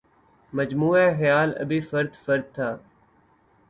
مجموعہ خیال ابھی فرد فرد تھا